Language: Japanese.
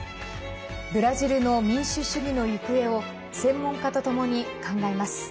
ブラジルの民主主義の行方を専門家とともに考えます。